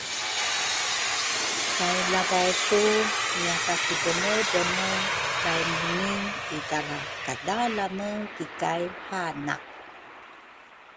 kay Lavausu ngikidremedreme kay Muni itara kadalame kikay hana.